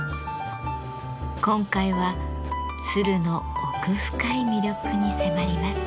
今回は鶴の奥深い魅力に迫ります。